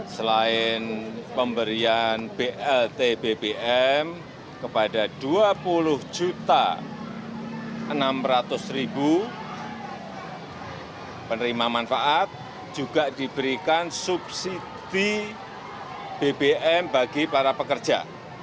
selain pemberian blt bbm kepada dua puluh enam ratus penerima manfaat juga diberikan subsidi bbm bagi para pekerja